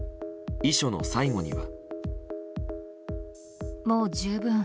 遺書の最後には。